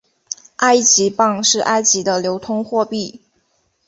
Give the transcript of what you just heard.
埃及镑是埃及的流通货币。